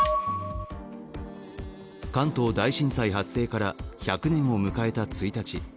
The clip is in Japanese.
関東大震災発生から１００年を迎えた１日。